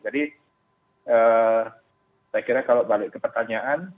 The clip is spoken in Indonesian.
jadi saya kira kalau balik ke pertanyaan